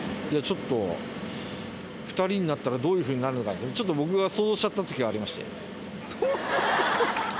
いやちょっと、２人になったら、どういうふうになるのかって、ちょっと僕が想像しちゃったときがありまして。